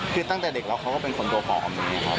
คือตั้งแต่เด็กแล้วเขาก็เป็นคนตัวผอมอย่างนี้ครับ